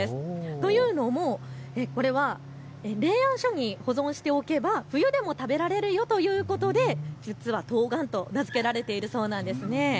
というのもこれは冷暗所に保存しておけば冬でも食べられるよということで実はとうがんと名付けられているそうなんです。